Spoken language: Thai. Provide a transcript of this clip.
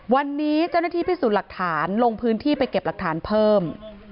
วันนี้เจ้าหน้าที่พิสูจน์หลักฐานลงพื้นที่ไปเก็บหลักฐานเพิ่ม